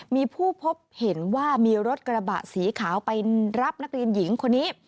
มีผู้พบเห็นว่ามีรถกระบะสีขาวไปรับนักเรียนหญิงคนนี้